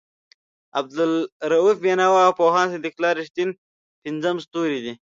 عبالرؤف بېنوا او پوهاند صدیق الله رښتین پنځم ستوری دی.